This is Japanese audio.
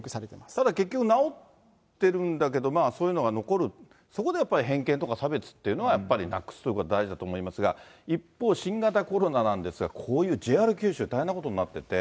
ただ結局、治ってるんだけども、そういうのが残る、そこでやっぱり偏見とか差別っていうのは、やっぱりなくすということが大事だと思いますが、一方、新型コロナなんですが、こういうＪＲ九州で大変なことになってて。